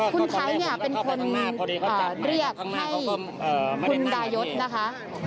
คุณไทยเนี่ยเป็นคนเรียกให้คุณดายศนะคะ